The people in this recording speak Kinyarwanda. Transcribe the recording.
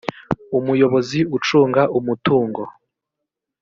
umuyobozi ucunga umutungo